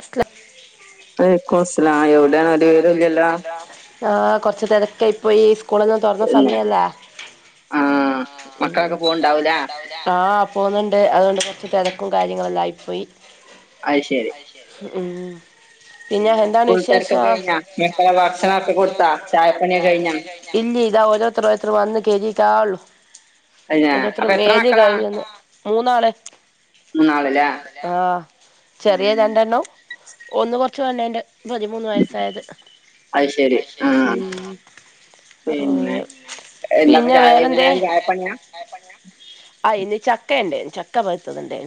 അസ്ക്ല ഫേക്കുസ്ലായുടെ ഒരു വിവരോല്ലല്ലോ ആ കൊറച്ച് തെരക്കായിപ്പോയി സ്കൂളൊക്കെ തൊറന്ന സമയല്ലേ ആ പോവുന്നുണ്ട് അതുകൊണ്ട് കൊറച്ച് തെരക്കും കാര്യങ്ങളെല്ലാം ആയി പോയി അയ് ശരി ഉം പിന്നെ സ്കൂൾത്തെരക്കൊക്കെ കഴിഞ്ഞോ മെക്കളെ ഭക്ഷണോക്കെ കൊടുത്താേ ചായപ്പണിയൊക്കെ കഴിഞ്ഞാേ ഇല്ല ഇതാ ഓരോത്ര്ഓരോത്ര് വന്ന് കെഴ്കി കാളു ഓരോത്ര് മേല് കഴ്ക്ന്ന് മൂന്നാള് ആ ചെറിയ രണ്ടെണോം ഒന്ന് കൊറച്ച് വെല്യെണ്ട് പതിമൂന്ന് വയസ്സായത് അയ്ശരി ആ ഓ പിന്നെ വേറെ എന്തേ? ആ ഇനി ചക്ക ഉണ്ടേ ചക്ക പഴുത്ത തുണ്ട്.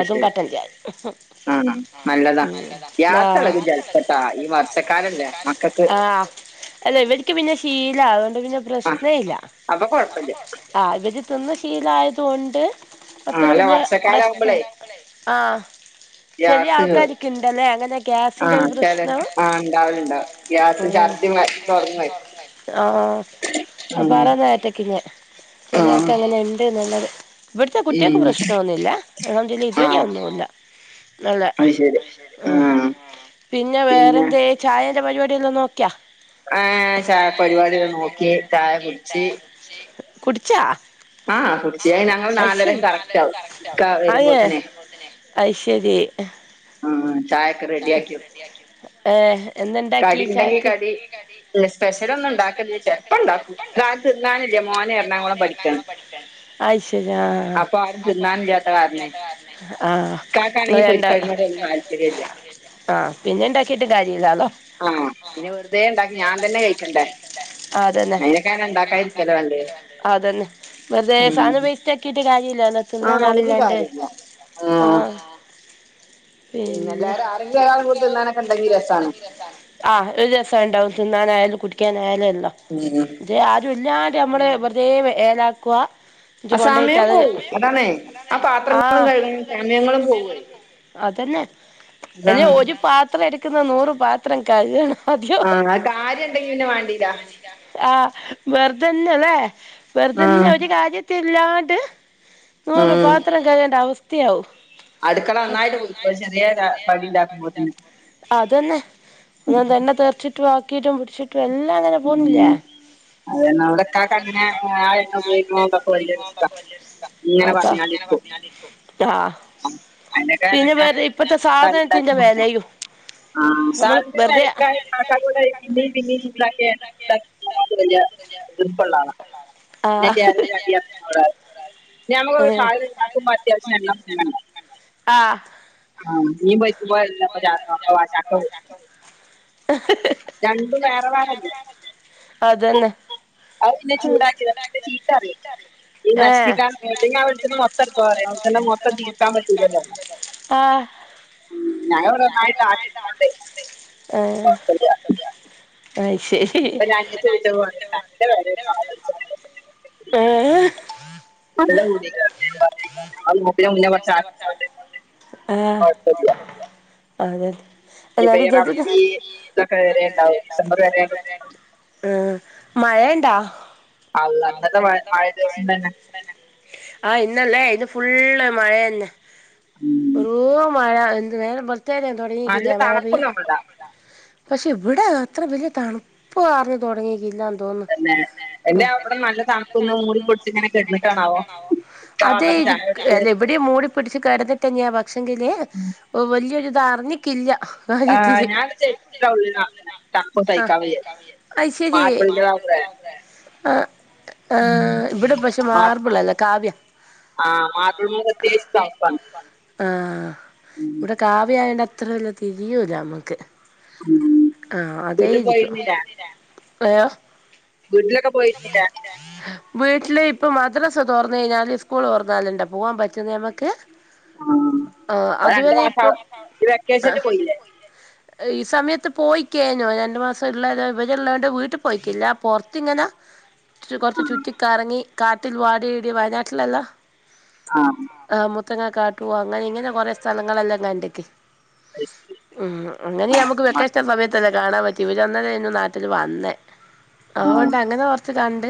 അതും കട്ടൻ ചായയും. ആ ആ അല്ല ഇവർക്ക് പിന്നെ ശീലാ. അതുകൊണ്ട് പിന്നെ പ്രശ്നമില്ല. ആ ഇവര് തിന്നുശീലായതു കൊണ്ട് അത്ര വലിയ പ്രശ്നം ആ ഗ്യാസ് ആ ച ആ ഇണ്ടാവലുണ്ട് ഗ്യാസ് [unintelligible] ആ അ പറന്ന ഏറ്റക്കിങ്ങെ ചെലയാക്കെ അങ്ങനെ ഉണ്ട് എന്നുള്ളത് ഇവിടുത്തെ കുട്ടികൾക്ക് പ്രശ്നൊന്നുമില്ല. അതുകൊണ്ട് ഇതുവരെ ഒന്നുമില്ല. നല്ല ആ പിന്നെ വേറെന്തേ? ചായേന്റെ പരിപാടി എല്ലാം നോക്ക ആ ചായ പരിപാടി നോക്കി. ചായ കുടിച്ച്. കുടിച്ചാ? ആ കുടിച്ചു. ഞങ്ങൾ നാലര കറക്റ്റ് ആവും. ഇക്ക വരുമ്പോത്തേനെ. അത് ശരി. ആ ചായയൊക്കെ റെഡി ആക്കിപ്പം ഏ എന്ന ഉണ്ടാക്കി ചായക്ക്? ഇല്ല സ്പെഷ്യലൊന്നു ഉണ്ടാക്കലില്ല. ചെലപ്പം ഇണ്ടാക്കൂ. ഇവിടെ ആരു തിന്നാനില്ലേ മോൻ എറണാകുളം പഠിക്കാണ്. അപ്പൊ ആരും തിന്നാനില്ലാത്ത കാരണേ ആഹ് ങ്ങള് രണ്ട ക്കതിനോടൊന്നു താല്പര്യല്ല. ആഹ് പിന്നെ വെറുതെ ണ്ടാക്കി ഞാൻ തന്നെ കഴിക്കണ്ടേ. ന്നയ്നേക്കാരാ ണ്ടാക്കായ്ര്ക്കല്ലെ നല്ലേ. ഉം. ഇല്ലാഞാ തിന്നാനാളില്ലാഞ്ഞിട്ടാ. ആഹ് പിന്നെ? ആഹ് ഒരു ദിവസം ഉണ്ടാവും തിന്നാനായാലും കുടിക്കാനായാലും എല്ലാം. ആരു ഇല്ലാണ്ട് നമ്മള് വെറുതേ വെ ഏലാക്കുഹ. ആഹ് സമയം പോവും. അതാണേ ആഹ് പാത്രങ്ങളും കഴുകണം സമയങ്ങളും പോവേ. എല്ലെ ഒരു പാത്രം എടുക്കുന്ന നൂറ് പാത്രം കഴുകണം. അദ്ജോ ആഹ് വെർ തെന്നെല്ലേ വെർതെന്നെ ഒരു കാര്യത്തി ഇല്ലാണ്ട് നൂറുപാത്രം കഴുകണ്ട അവസ്ഥയാവും. അടുക്കള ന്നായിട്ട് പോയി. ഇപ്പം ചെറിയേതാ അതന്നെ [unintelligible] തന്നെ തീർച്ചിട്ട് കീട്ടും പിടിച്ചിട്ടു എല്ലാം ങ്ങനെ പോഉന്നുല്ലേ? [unintelligible] അതാ [unintelligible] പിന്നെ വേറെ ഇപ്പത്തെ സാധനത്തിന്റെ വെലയും. ആഹ് [unintelligible] ത് പ്പള്ള ആളാ [unintelligible] ഞമ്മക്ക് ഒരു സാധനം ഉണ്ടാക്കുമ്പോ അത്യാവശ്യം എണ്ണ [unintelligible] ആഹ് ആഹ് മീൻ പൊ [unintelligible] രണ്ടു വേറെ വേറെ അല്ലേ? അതന്നെ. അതുപിന്നെ ചൂടാക്കിയാ പിന്നെചീത്തപറയും ഈ നശിക്കാനു അല്ലെങ്കി ആ വിളിച്ചപ്പം മൊത്തെടുക്കോ പറയാ വെളിച്ചെണ്ണ മൊത്തം തീർക്കാൻ പറ്റൂലല്ലോ ആഹ് ഞൻ ഇവിടെ നന്നായിട്ട് ആട്ടിക്കോണ്ട് ആഹ് അഹ് അപ്പൊ ഞങ്ങക്ക് വിളിച്ചൊന്നും പറയേണ്ട [unintelligible] [unintelligible] ഞാൻ പറഞ് [unintelligible] ആഹ് അതോക്ക് ഇതെ റബി ഇതൊക്കെ വരെണ്ടാവും ഡിസംബർ വരെണ്ടു മഴയ്ണ്ടാ ആഹ് ഇന്നല്ലേ ഇത് ഫുള് മഴയന്നെ ഓഹ് മഴ എന്ത് നേ പത് ഇതെരേം തൊടങ്ങിടിലെ മഴ പെഴൻ പക്ഷെ ഇവിടെ അത്ര വലിയ തണുപ്പ് അറിഞ് തുടങ്ങിട്ടില്ല തോന്നു എല്ലാ ഇവിട നല്ല തണുപ്പന്ന് മൂടി പൊടിച്ച് ഇങ്ങനെ കെടിട്ടാണാവോ വന്നപ്പോ ചായ എടുത്ത് മൂടി പിടിച്ച് കിടന്നിട്ട് ഞാ പക്ഷെങ്കില് ഓഹ് വലിയൊരിത അറിഞ്ഞിക്കില്ല ആഹ് ഞാനത് ചെരിപ്പിട്ട വീണ തണുപ്പ് തഹിക്കാൻ വയ്യേ മാർബിൽറ്റേതാണല്ലേ ആഹ് ഇവിടെ പക്ഷെ മാറബള്ളല്ല കാവ്യ ആഹ് മാർബിൾ [unintelligible] ആഹ് ഇവിടെ കാവ്യായണ്ട് അത്ര വല്ല തിരിയുല നമ്മുക്ക് ആഹ് അതരിക്കും ആയൊ വീട്ടില് ഇപ്പ മദ്രാസ് തൊറന്ന കഴിഞ്ഞാല് സ്കൂൾ തൊന്നാലുണ്ട പോകാൻ പറ്റുന്നത് നമുക്ക് ആഹ് അതുവരെ ഇപ്പം ആഹ് ഈ സമയത്ത് പോയിക്കേഴിഞ്ഞു രണ്ടു മാസം ഇള്ളോ വിഭജനം ഉള്ളോണ്ട് വീട്ട് പോയിക്ക്ല്ല പൊറ്ത്ത്ങ്ങനെ ച്ച് കൊറ്ച്ച് ചുറ്റി കറങ്ങി കാട്ടിൽ വാടി ഇടിയ വയനാട്ടിലല്ല ആഹ് ക്കങ്ങ കാട്ടുവാ അങ്ങനെ ഇങ്ങനെ കൊറെേ സ്ഥലങ്ങളെല്ലാം കണ്ടിക്ക് ഉം അങ്ങനെ നമക്ക് വെക്കേഷൻ സമയത്തല്ലേ കാണാൻ പറ്റ്- തിവിചന്നതു നാട്ടിൽ വന്നേ അതുകൊണ്ട് അങ്ങനെ കൊറച്ച് കണ്ട്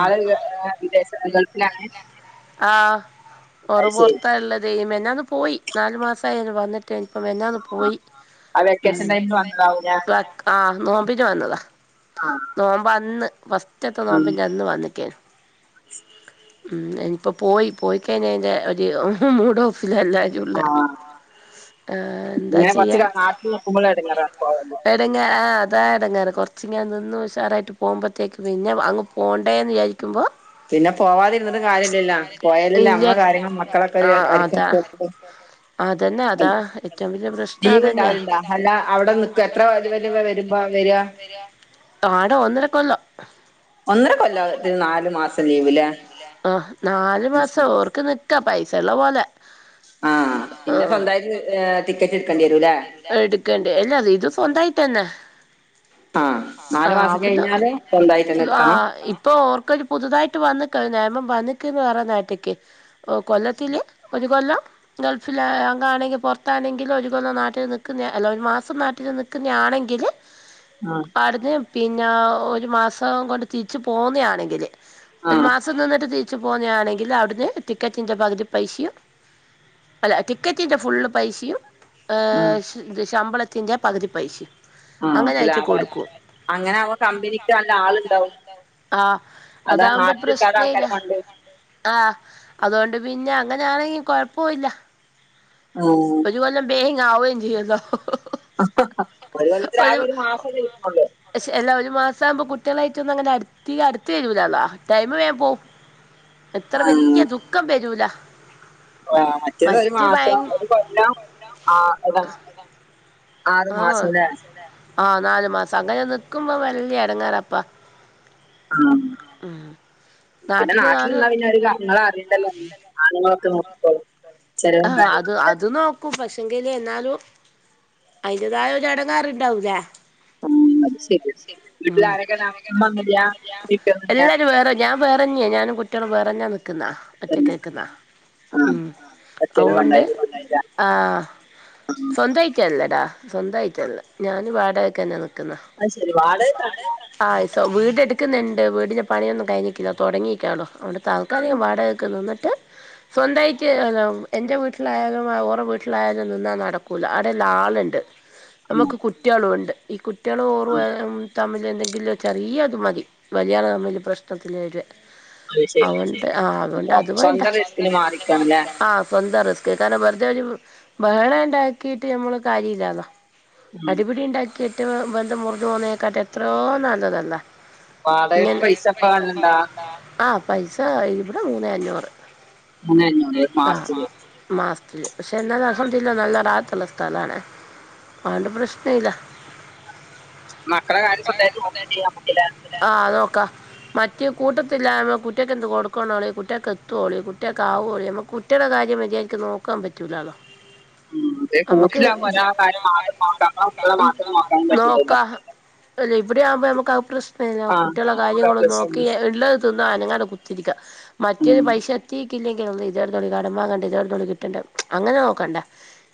ആള് ഒരു വിദേശ ഗൾഫിലാണ് ആഹ് ഒറ് പൊറ്ത്താ ഇള്ളതേ മെഞ്ഞാന്ന് പോയി നാലു മാസ ആയി വന്നിട്ട് തേനിപ്പം വെന്നാന്ന് പോയി ഉം ആഹ് വെക്കേഷൻ ടൈമില് വന്നതാവുലെ ആഹ് നോമ്പിനു വന്നതാ നോമ്പ് അന്ന് ഫസ്റ്റത്തെ നോമ്പിന്നെ അന്ന് വന്ന്ക്കേ ആഹ് ശരി ഉം ഇനിപ്പോ പോയി പോയിക്കഴിഞ്ഞ എന്റെ ഒരു മൂഡോഫിലെല്ലെ ആഹ് ഇങ്ങനെ പച്ച് നാട്ടിൽ നിക്കുമ്പള എടങ്ങേറാണ് [unintelligible] പോവ അതാ എടങ്ങേറ് കൊറ്ച്ചിങ്ങെ നിന്നു ഉഷാറായിട്ട് പോകുമ്പത്തേക്ക് പിന്നെ അങ്ങ് പോണ്ടേന്ന് വിചാരിക്കുമ്പോ പിന്നെ പോവാതിരുന്നിട്ടു കാര്യല്ലല്ലൊ പോയാലെല്ലെ അമ്മ ളെ കാര്യങ്ങളും മക്കളൊക്കെ ഒരു ക്കരക്ക [unintelligible] റ [unintelligible] ക്ക [unintelligible] അഹ് ലീവ് ഇണ്ടാവല്ണ്ടാ അല്ല അവ്ടെ നിക്കെ എത്ര വല വല വരുമ്പോ വര ആട ഒന്നര കൊല്ലം ഒന്നര കൊല്ലം നാല് മാസം ലീവ് ലെ നാലു മാസം ഓർക്ക് നിക്കാ പൈ ചെല്ല പോലെ ആഹ് ആഹ് എടുക്കണ്ടി അല്ലാ ഇത് സ്വന്തമായിട്ടന്നെ ആഹ് അവിടുന്ന് ആഹ് ഇപ്പൊ ഓർക്കൊരു പുതുതായിട്ട് വന്നി നിയമം വന്നിക്ക്ന്ന് പറ നാറ്റ്ക്ക് ഓ കൊല്ലത്തില് ഒരു കൊല്ലം ഗൾഫില് അങ്ങ ആണെങ്കി പുറത്താണെങ്കിലും ഒരു കൊല്ലം നാട്ടിൽ നിൽക്കുന്ന അല്ല ഒരു മാസം നാട്ടിൽ നിൽക്കുന്നെ ആണെങ്കില് ആട്ന്ന് പിന്നെ ഒരു മാസം കൊണ്ട് തിരിച്ച് പോവുന്നയാണെങ്കില് ഒരു മാസം നിന്നിട്ട് തിരിച്ചു പോന്നെയാണെങ്കില് അവിടന്ന് ടിക്കറ്റിന്റെ പകുതി പൈസയും അല്ല ടിക്കറ്റിന്റെ ഫുള്ള് പൈസയും ആഹ് ത് ശ ശമ്പള ത്തിന്റെ പകുതി പൈസയും ആഹ് ലാഭാണ് അങ്ങനെ ആവുമ്പം കമ്പനിക്ക് നല്ല ആളുണ്ടാവും ആഹ് അതാവുമ്പോ പ്രശ്നമില്ല ആഹ് അതോണ്ട് പിന്നെ അങ്ങനാണെങ്കി കൊഴപ്പോ ഇല്ല ഒര് കൊല്ലം ബേഇങ്ങ് ആവുവേം ചെയ്യൊല്ലോ ഒരു കൊല്ലത്തില് ആകെ ഒരു മാസം ലീവൊള്ളൂ ഉച്ചാകുമ്പോ കുട്ടികളായിട്ട് ഒന്നും അങ്ങനെ അടുത്ത് അടുത്ത് വരൂലല്ലോ ടൈമ് വേഗം പോവും എത്ര വല്യ ദുഃഖം വരൂലാ ആഹ് മറ്റേത് ഒരു മാസം ഒരു കൊല്ലം ആഹ് ഇതാ ആഹ് ആഹ് നാലു മാസം അങ്ങനെ നിക്കുമ്പോ വല്യ ഇടങ്ങേറാപ്പാ ഉം പിന്നെ നാട്ടിൽ നിന്നാ പിന്നെ ഒര് ക അറിയേണ്ടല്ലോ ആണുങ്ങളൊക്കെ നോക്കിക്കോളും ആഹ് അത് അത് നോ ക്കും പക്ഷേങ്കില് എന്നാലും അതിന്റേതായ ഒര് ഇടാങ്ങേറുണ്ടാവൂലേ ഉം ഉം എല്ലാരും വേറെ ഞാൻ വേറെന്നെയാ ഞാനും കുട്ടികളും വേ പറഞ്ഞാ നിക്കുന്നെ ഒറ്റക്കാ നിക്കുന്നെ ഉം അതുകൊണ്ട് ആഹ് സ്വന്തമായിട്ടാ ഇല്ലടാ സ്വന്തായിട്ടല്ല ഞാന് വാടകയ്ക്ക് തന്നെയാ നിക്കുന്നെ ആഹ് ഇപ്പോൾ വീട് എടുക്കുന്നുണ്ട് വീടിന്റെ പണിയൊന്നും കഴിഞ്ഞിട്ടില്ല തുടങ്ങിയിക്കാണോ അവിടെ താൽക്കാലികം വാടകക്ക്‌ നിന്നിട്ട് സ്വന്തമായിട്ട് ആലം എൻ്റെ വീട്ടിലായാലും ഓറെ വീട്ടിലായാലും നിന്നാ നടക്കൂല്ല അവിടെല്ലാം ആളുണ്ട് നമുക്ക് കുറ്റികളുമുണ്ട് ഈ കുറ്റികളും ഓറ് അ വും തമ്മി ല് എന്തെങ്കിലും ചെറിയ അത് മതി വലിയാള് തമ്മില് പ്രശ്നത്തില് വരുവ അതോണ്ട് ആഹ് അതോണ്ട് അത് വേണ്ട ആഹ് എന്താ റിസ്ക് കാരണം വെറുതെ ഒരു ബഹളം ഉണ്ടാക്കീട്ട് നമ്മള് കാര്യമില്ലാല്ലോ അടിപിടി ഉണ്ടാക്കിയിട്ട് ബന്ധം മുറിഞ്ഞു പോന്നെക്കാട്ടും എത്രയോ നല്ലതല്ലേ ഇങ്ങനെ ആഹ് പൈസ ഇവിടെ മൂന്നേ അഞ്ഞൂറ് മൂന്നേ അഞ്ഞൂറ് ഒര് മാസ മാസത്തില് മാസത്തില് പക്ഷെ എന്നാൽ അൽഹംദുലില്ലാഹ് നല്ല റാഹത്തുള്ള സ്ഥലാണ് ആണ്ട് പ്രശ്നം ഇല്ല ആഹ് നോക്കാം മറ്റേ കൂട്ടത്തിലാവുമ്പോൾ കുട്ടികൾക്ക്‌ എന്ത് കൊടുക്കുവെന്നുള്ളെ കുട്ടികൾക്ക് എത്തുവോളി കുട്ടികൾക്ക്‌ ആവോളി നമ്മൾ കു കുട്ടിയുടെ കാര്യം മര്യാദക്ക് നോക്കാൻ പറ്റൂലല്ലോ ഉം അതെ കൂട്ടിലാവുമ്പം ഒരാടെ കാര്യം മാത്രം നോക്കാം നമ്മടെ കുട്ടികൾടെ മാത്രം നോക്കാനും പറ്റില്ലല്ലോ അല്ല ഇവിടെയാവുമ്പം നമുക്ക് ആ പ്രശ്നമില്ല കുട്ടികൾടെ കാര്യങ്ങളും നോക്കി ഇള്ളത് തി അനങ്ങാതെ കുത്തിരിക്കാ മറ്റൊരു പൈസ എത്തീട്ടില്ലെങ്കിൽ [unintelligible] [unintelligible] കിട്ടണ്ടെ അങ്ങനെ നോക്കണ്ട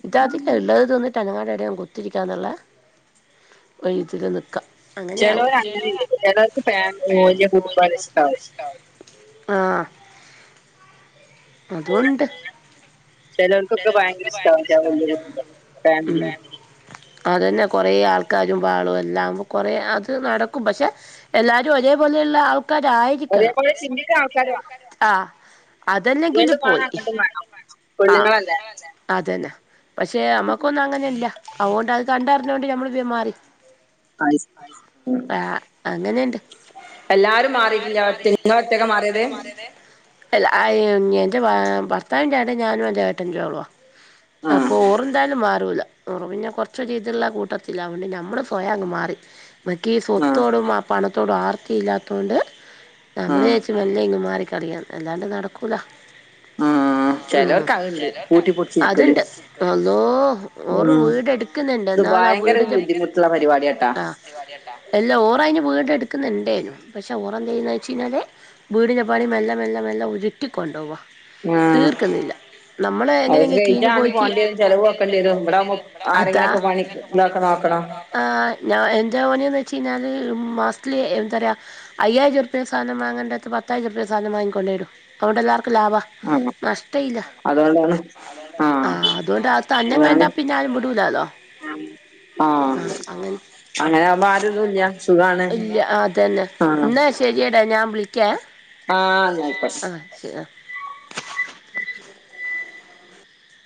ഇതതില്ല ഉള്ളത് തിന്ന് അനങ്ങാടെ എടെൻ കുത്തിരിക്കാന്നുള്ള ഉ [inaudible] ഉം ചിലവര് അങ്ങനെയുണ്ട് ചിലവർക്ക് ഫാ വലിയ കുടുംബാണ് ഇഷ്ടാകും ആഹ് അതുവൊണ്ട് ചിലവർക്കൊക്കെ ഭയങ്കര ഇഷ്ടവാ [inaudible] ഫാമിലി അതന്നെ കുറേ ആൾക്കാരും പാളും എല്ലാം ആവുമ്പം കൊറേ അത് നടക്കും പക്ഷെ എല്ലാരും ഒരേപോലെ ഉള്ള ആൾക്കാര് ആയിരിക്കണം ആഹ് അതല്ലെങ്കില് പോയി ആഹ് അതന്നെ പക്ഷെ നമ്മക്കൊന്നുങ്ങനെല്ല അവോണ്ട് അത് കണ്ടറിഞ്ഞൊണ്ട് നമ്മള് വേം മാറി. ഹായ് എല്ലാരും മാറിറ്റില്ല. ഒറ്റക് ഇങ്ങളൊറ്റക്കാ മാര്യേത് അല്ല ആയോ [unintelligible] അത് ഭർത്താൻചായിട്ട് ഞാനും ഏട്ടാറ്റോളുആ അപ്പോ ഓറെന്താലും മാറൂല്ല ഓള് പിന്നെ കൊർച്ച് രീതിള്ള കൂട്ടത്തിലാ അതോണ്ട് നമ്മള് സ്വയങ്ങ് മാറി. നിക്കീ സ്വത്തോടും ആ പണത്തോടും ആർത്തില്ലാത്തോണ്ട് നമ്മളിച്ചാര്ച്ച് മെല്ലെ ഇങ്ങ് മാ ക്കറിയാം അല്ലാണ്ട് നടക്കൂല. ആഹ് മ് അത്ണ്ട് അള്ളോ ഓറ് വീടെട്ക്ക്ന്നില്ല. എന്നാലാ വീട്ന്റെ എല്ലാം ഓറ് വീട് എടുക്കുന്നുണ്ടേയ്നു പക്ഷെ ഓർ എന്താ ചെയ്യ്ണ് വെച്ചയ്ഞ്ഞാല് വീടിന്റെ പണി മെല്ലെ മെല്ലെ മെല്ലെ ഉരുട്ടിക്കൊണ്ടോവാ തീർക്കുന്നില്ല. നമ്മൾ എങ്ങനെങ്ങെകീഞ്ഞ് പോയിക്ക് അതാ ആഹ് ഞ എന്റെ ഓനീന്ന് വെച്ചയ്ഞ്ഞാല് മാസത്തില് എത്രറയാ അയ്യായിരുർപ്യാന്റെ സാനം വാങ്ങണ്ടോടത്ത് പത്തായിരുർപ്യാന്റെ സാനം വാങ്ങിക്കൊണ്ടേരും. അതോണ്ടേല്ലാർക്കും ലാഭ നഷ്ട്ടേയില്ല. ആഹ് അതോണ്ടാ അന്നം കണ്ടാ പിന്നാരും വിടൂലാലോ ആഹ് അങ്ങനെ ഇല്ല അതന്നെ ന്നാ ശരിയടാ ഞാൻ വിളിക്കാം ആഹ് ന്നായ്കോട്ടെ.